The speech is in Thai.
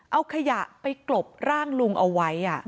เอาขยะไปกลบร่างลุงเอาไว้